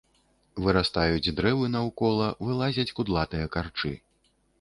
Вырастаюць дрэвы наўкола, вылазяць кудлатыя карчы.